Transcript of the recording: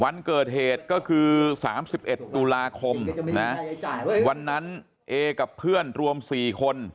วันเกิดเหตุก็คือ๓๑ตุลาคมนะวันนั้นเอกับเพื่อนรวม๔คน